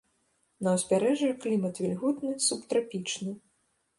На ўзбярэжжа клімат вільготны субтрапічны.